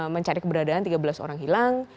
mencari keberadaan tiga belas orang hilang